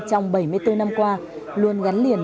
trong bảy mươi bốn năm qua luôn gắn liền